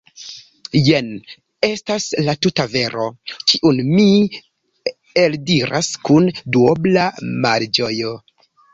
Jen estas la tuta vero, kiun mi eldiras kun duobla malĝojo.